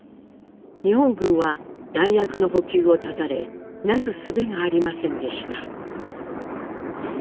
日本軍は弾薬の補給を断たれなすすべがありませんでした。